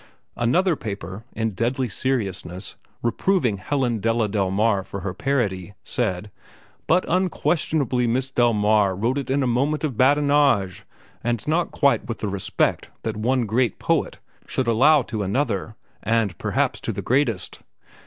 Another paper, in deadly seriousness, reproving Helen Della Delmar for her parody, said: "But unquestionably Miss Delmar wrote it in a moment of badinage and not quite with the respect that one great poet should show to another and perhaps to the greatest.